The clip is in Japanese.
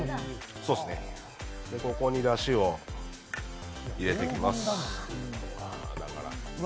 ここにだしを入れていきます。